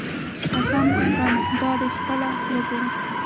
قسم خورم دادی خپله وګوره.